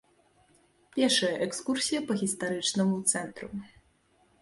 Пешая экскурсія па гістарычнаму цэнтру.